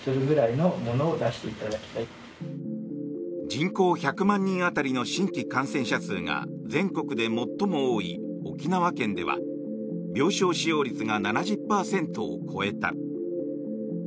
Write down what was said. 人口１００万人当たりの新規感染者数が全国で最も多い沖縄県では病床使用率が７０％を超えた。